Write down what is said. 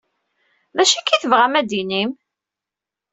D acu akka i tebɣam ad tinim?